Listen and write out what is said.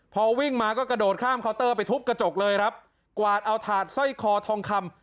พอวิ่งมาก็กระโดดข้ามเคาน์เตอร์ไปทุบกระจกเลยครับกวาดเอาถาดสร้อยคอทองคำ